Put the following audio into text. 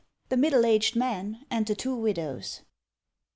THE MIDDLE AGED MAN AND THE TWO WIDOWS.